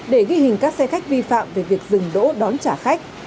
để ghi hình các xe khách vi phạm về việc dừng đỗ đón trả khách